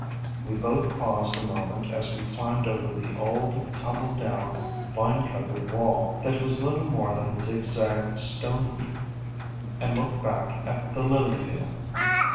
We both paused a moment as we climbed over the old, tum bled down, vine covered wall that was little more than a zigzag stone heap, and looked back at the Lily field.